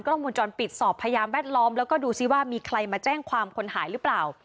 มูลจรปิดสอบพยานแวดล้อมแล้วก็ดูซิว่ามีใครมาแจ้งความคนหายหรือเปล่า